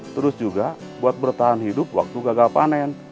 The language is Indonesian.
terus juga buat bertahan hidup waktu gagal panen